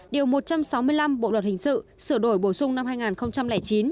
điều một trăm sáu mươi năm bộ luật hình sự sửa đổi bổ sung năm hai nghìn chín